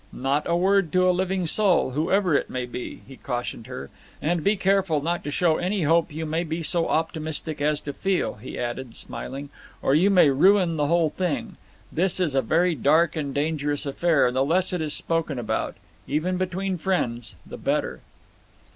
"Not a word to a living soul, whoever it may be," he cautioned her, "and be careful not to show any hope you may be so optimistic as to feel," he added, smiling, "or you may ruin the whole thing. This is a very dark and dangerous affair, and the less it is spoken about, even between friends, the better."